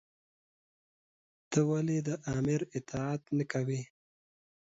تۀ ولې د آمر اطاعت نۀ کوې؟